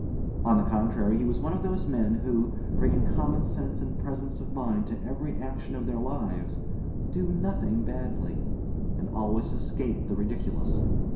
On the contrary, he was one of those men who, bringing common sense and presence of mind to every action of their lives, do nothing badly, and always escape the ridiculous.